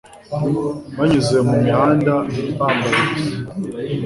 Banyuze mu mihanda bambaye ubusa